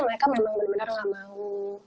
mereka benar benar tidak mau